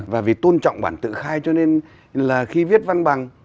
và vì tôn trọng bản tự khai cho nên là khi viết văn bằng